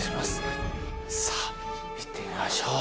さあいってみましょう。